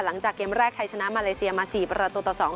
หลังจากเกมแรกไทยชนะมาเลเซียมา๔ประตูต่อ๒